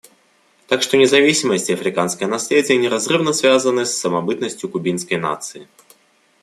Так что независимость и африканское наследие неразрывно связаны с самобытностью кубинской нации.